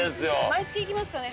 毎月行きますかね